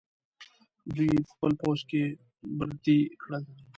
دوی یې په خپل پوځ کې برتۍ کړل.